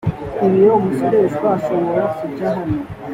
ibiro umusoreshwa ashobora kujya hano